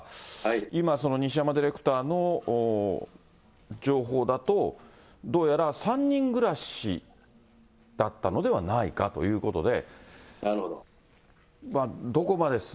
今、西山ディレクターの情報だと、どうやら３人暮らしだったのではないかということで。